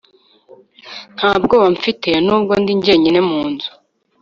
nta bwoba mfite, nubwo ndi njyenyine munzu